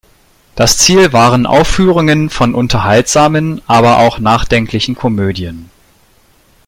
Das Ziel waren Aufführungen von unterhaltsamen, aber auch nachdenklichen Komödien.